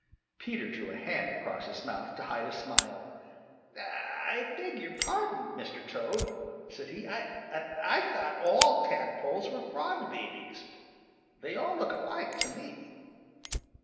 Peter drew a hand across his mouth to hide a smile. "I beg your pardon, Mr. Toad," said he. "I I thought all tadpoles were Frog babies. They all look alike to me."